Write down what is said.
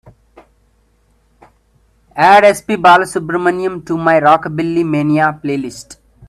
Add sp balasubrahmanyam to my rockabilly mania playlist.